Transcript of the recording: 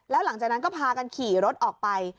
แล้วหลังจากนั้นก็พากันขี่รถออกไป